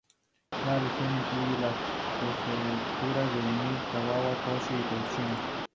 La región incluye las prefecturas de Ehime, Kagawa, Kochi y Tokushima.